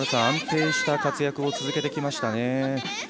安定した活躍を続けてきましたね。